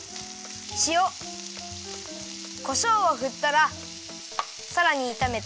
しおこしょうをふったらさらにいためて。